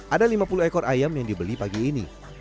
ada lima puluh ekor ayam yang dibeli pagi ini